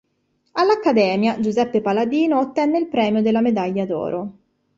All'Accademia, Giuseppe Paladino ottenne il premio della medaglia d'oro.